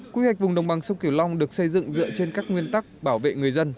quy hoạch vùng đồng bằng sông kiều long được xây dựng dựa trên các nguyên tắc bảo vệ người dân